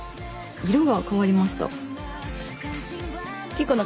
色が変わりました。